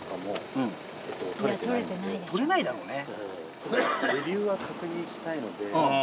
取れないだろうね。